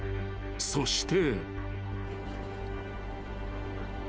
［そして］